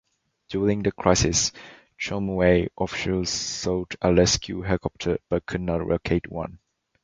During the crisis, tramway officials sought a rescue helicopter but could not locate one.